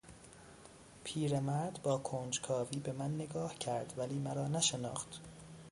پیرمرد با کنجکاوی به من نگاه کرد ولی مرا نشناخت.